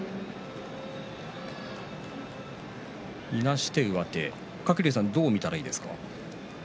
いなして上手鶴竜さん、どう見たらいいですか。